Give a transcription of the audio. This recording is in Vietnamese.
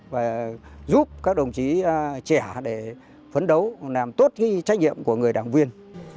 và giúp các đồng chí trẻ để phấn đấu làm tốt cái trách nhiệm của người đảng viên